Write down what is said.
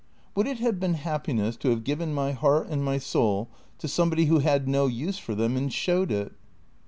" Would it have been happiness to have given my heart and my soul to somebody who had no use for them and showed it